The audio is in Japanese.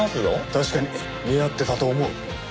確かに似合ってたと思う。